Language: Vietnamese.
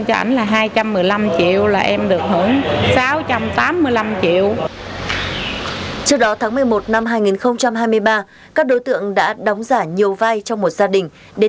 trước đó tháng một mươi một năm hai nghìn hai mươi ba các đối tượng đã đóng giả nhiều vai trong một gia đình để tạo hiệu quả